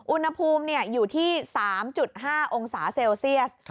อุณหภูมิอยู่ที่๓๕องศาเซลเซียส